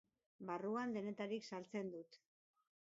Barruan denetarik saltzen dut.